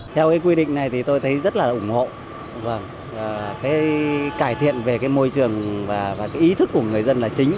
theo cái quy định này thì tôi thấy rất là ủng hộ và cái cải thiện về cái môi trường và cái ý thức của người dân là chính